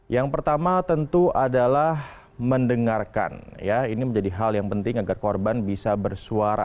yang pertama tentu adalah mendengarkan ya ini menjadi hal yang penting agar korban bisa bersuara